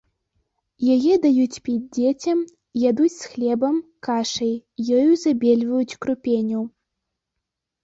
Яе даюць піць дзецям, ядуць з хлебам, кашай, ёю забельваюць крупеню.